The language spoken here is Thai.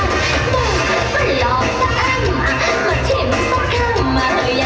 รู้ไหมค่ะว่าใครจะสีจะตาย